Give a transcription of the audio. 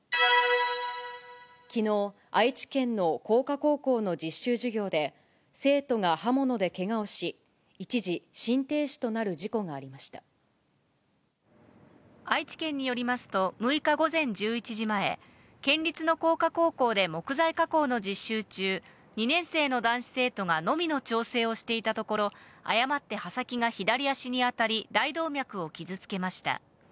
きのう、愛知県の工科高校の実習授業で、生徒が刃物でけがをし、一時心停愛知県によりますと、６日午前１１時前、県立の工科高校で木材加工の実習中、２年生の男子生徒がのみの調整をしていたところ、誤って刃先が左足に当たり、大動脈を傷つけました。